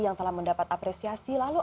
yang telah mendapat apresiasi lalu